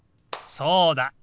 そうだ！